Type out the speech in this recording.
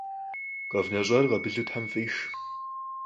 КъэвнэщӀар къабылу тхьэм фӀих.